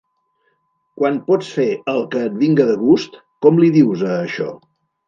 Quan pots fer el que et vinga de gust, com li dius a això?